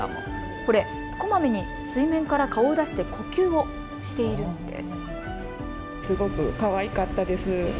これ、こまめに水面から顔を出して呼吸をしているんです。